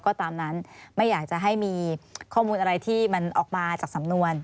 ก็ตามนั้นไม่อยากจะให้มีข้อมูลอะไรที่มันออกมาจากสำนวน